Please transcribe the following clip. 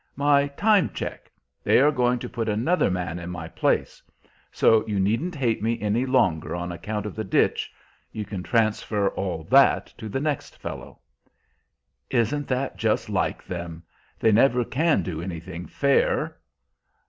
"My time check. They are going to put another man in my place. So you needn't hate me any longer on account of the ditch; you can transfer all that to the next fellow." "Isn't that just like them? They never can do anything fair!"